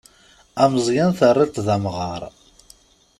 Ameẓẓyan terriḍ-t d amɣar.